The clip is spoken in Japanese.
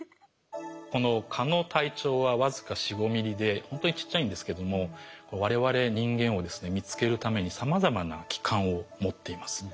この蚊の体長は僅か４５ｍｍでほんとにちっちゃいんですけどもわれわれ人間をですね見つけるためにさまざまな器官を持っています。